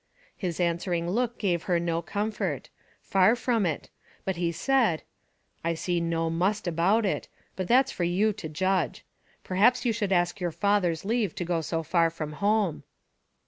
His answering look gave her no comfort; far from it, but he said, "I see no must about it, but that's for you to judge; perhaps you should ask your father's leave to go so far from home."